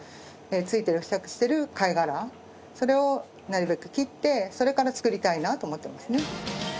付いてる付着してる貝殻それをなるべく切ってそれから作りたいなと思ってますね。